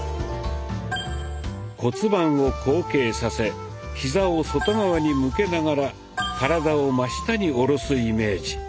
骨盤を後傾させヒザを外側に向けながら体を真下に下ろすイメージ。